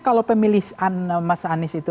kalau pemilihan mas anies itu